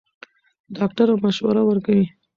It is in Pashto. ډاکټره مشوره ورکوي.